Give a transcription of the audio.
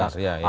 nah ya ya